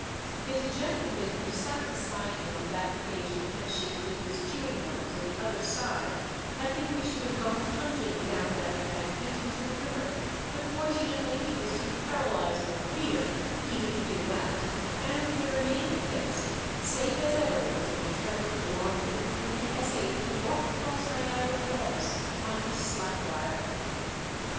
If the gentleman who sat beside me on that occasion had shifted his chewing gum to the other side, I think we should have gone plunging down that embankment into the river; but fortunately he was too paralyzed with fear even to do that, and we remained fixed, safe as ever was the intrepid Blondin when he essayed to walk across Niagara Falls on his slack wire.